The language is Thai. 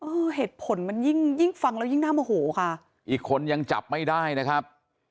เหตุผลมันยิ่งยิ่งฟังแล้วยิ่งน่าโมโหค่ะอีกคนยังจับไม่ได้นะครับ